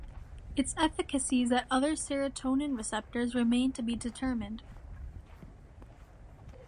Its efficacies at other serotonin receptors remain to be determined.